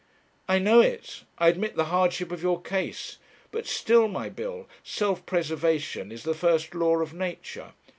I know it; I admit the hardship of your case; but still, my Bill, self preservation is the first law of nature.